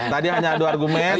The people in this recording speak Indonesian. tadi hanya dua argumen